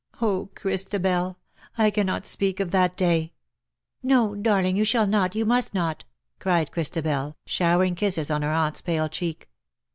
Oh, Christabel ! I cannot speak of that day !" "No, darling, you shall not, you must not,'"* cried Christabel, showering kisses on her aunt's pale cheek.